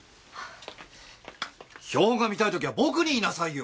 標本が見たい時は僕に言いなさいよ！